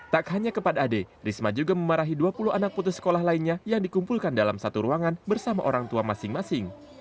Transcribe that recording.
tak hanya kepada ade risma juga memarahi dua puluh anak putus sekolah lainnya yang dikumpulkan dalam satu ruangan bersama orang tua masing masing